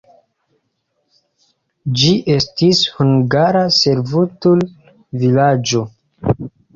Ĝi estis hungara servutul-vilaĝo.